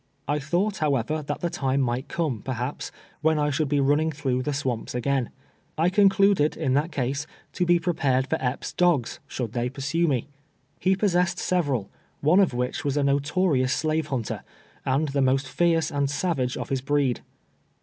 I tLougLt, Lowever, tLat FUGITIVES IN THE PINK WOODS, 241 tlie time miglit come, perhaps, svhen I should he run ning through the swamps again. 1 C( tnchided, in that case, to be prepared for Epps' dogs, shouki they pur sue nie. He possessed several, one of which was a notorious slave hunter, and the most fierce and savage of his breed.